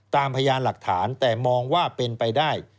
พยานหลักฐานแต่มองว่าเป็นไปได้